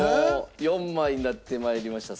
４枚になって参りました。